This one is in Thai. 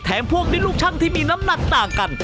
พวกด้วยลูกช่างที่มีน้ำหนักต่างกัน